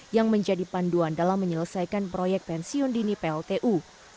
yang menjadi panduan dalam menyelesaikan proyek pensiun dini pltu